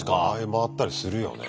回ったりするよね。